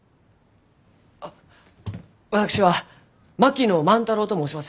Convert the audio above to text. あ私は槙野万太郎と申します。